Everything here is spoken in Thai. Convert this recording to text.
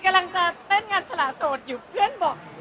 กำลังจะเต้นงานสละโสดอยู่เพื่อนบอก